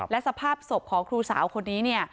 แล้วสภาพของครูสาวคนนี้